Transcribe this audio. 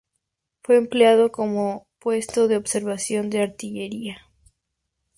Fue empleado como puesto de observación de artillería.